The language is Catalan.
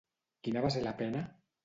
Quina va ser la pena?